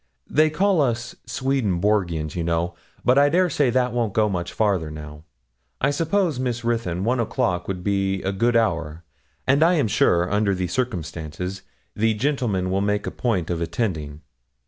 They call us Swedenborgians, you know; but I dare say that won't go much further, now. I suppose, Miss Ruthyn, one o'clock would be a good hour, and I am sure, under the circumstances, the gentlemen will make a point of attending.'